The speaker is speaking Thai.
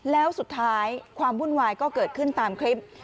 แล้วสุดท้ายความวุ่นวายก็เกิดขึ้นตามคลิป